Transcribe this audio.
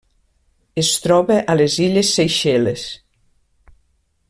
Es troba a les illes Seychelles.